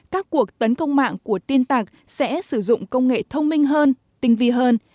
các cuộc tấn công mạng của tin tạc sẽ sử dụng công nghệ thông minh hơn tinh vi hơn